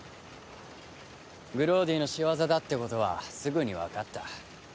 グローディの仕業だってことはすぐにわかった。